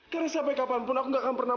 karena sampai kapanpun aku gak akan pernah